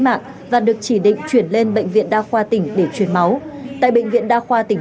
mạng và được chỉ định chuyển lên bệnh viện đa khoa tỉnh để chuyển máu tại bệnh viện đa khoa tỉnh